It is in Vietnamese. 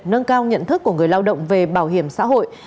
nâng cao nhận thức của người lao động về bảo hiểm xã hội